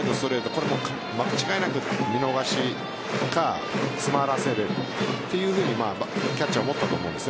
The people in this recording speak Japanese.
これもう間違いなく見逃しか詰まらせるというふうにキャッチャーは思ったと思うんです。